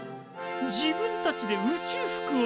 自分たちで宇宙服を？